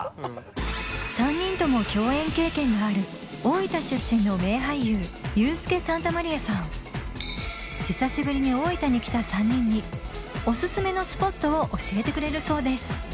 ３人とも共演経験がある久しぶりに大分に来た３人におすすめのスポットを教えてくれるそうです